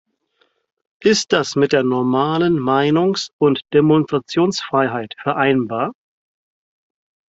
Ist das mit der normalen Meinungs- und Demonstrationsfreiheit vereinbar?